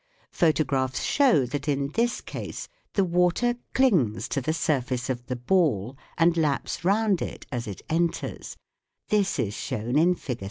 Photographs show that in this case the water clings to the surface of the ball and laps round it as it enters ; this is shown in Fig.